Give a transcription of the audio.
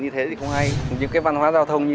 thôi ra chị chứng kiến cho chị